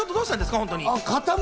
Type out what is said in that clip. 本当に。